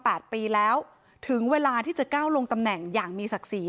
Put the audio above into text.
แปดปีแล้วถึงเวลาที่จะก้าวลงตำแหน่งอย่างมีศักดิ์ศรี